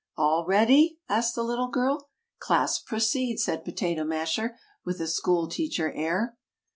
"All ready?" asked the little girl. "Class proceed!" said Potato Masher, with a school teacher air.